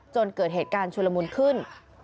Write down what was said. จนเกิดเหตุการณ์ชุลมุนขึ้น